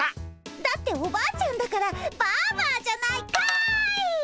だっておばあちゃんだからバーバーじゃないかい！